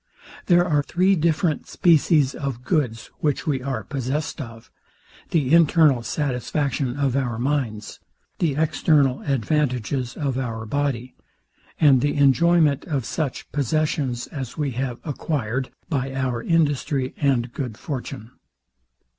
There are different species of goods, which we are possessed of; the internal satisfaction of our minds, the external advantages of our body, and the enjoyment of such possessions as we have acquired by our industry and good fortune.